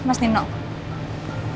baik saya pergi